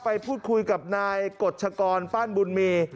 ไปพูดคุยกับนายกฎชกรปั้นบุญมี